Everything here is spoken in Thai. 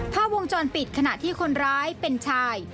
ภาพวงจรปิดขณะที่คนร้ายเป็นชาย